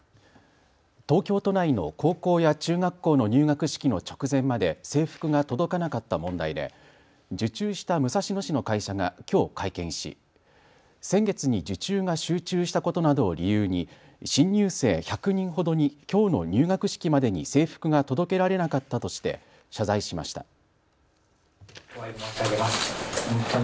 東京都内の高校や中学校の入学式の直前まで制服が届かなかった問題で受注した武蔵野市の会社がきょう会見し、先月に受注が集中したことなどを理由に新入生１００人ほどにきょうの入学式までに制服が届けられなかったとして謝罪しました。